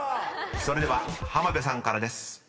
［それでは浜辺さんからです。